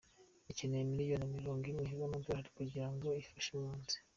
ikeneye miliyoni Mirongo Ine z’Amadolari kugira ngo ifashe impunzi